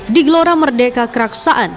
digelora merdeka keraksaan